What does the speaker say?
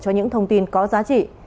cho những thông tin có giá trị